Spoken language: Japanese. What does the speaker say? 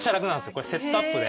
これセットアップで。